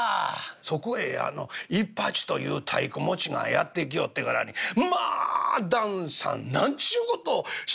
そこへ一八という太鼓持ちがやって来よってからに『まあ旦さん何ちゅう事をしはりますねん？